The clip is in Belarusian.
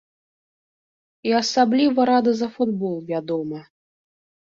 І асабліва рады за футбол, вядома.